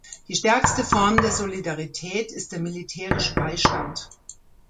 Die stärkste Form der Solidarität ist der militärische Beistand.